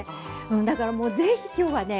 だからもう是非今日はね